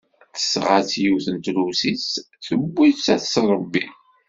Tesɣa-tt yiwet n Trusit, tewwi-tt ad tt-tṛebbi.